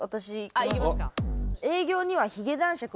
あっいきますか。